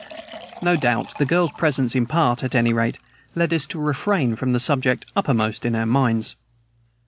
No doubt the girl's presence, in part, at any rate, led us to refrain from the subject uppermost in our minds.